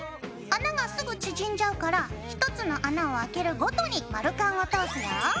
穴がすぐ縮んじゃうから１つの穴をあけるごとに丸カンを通すよ。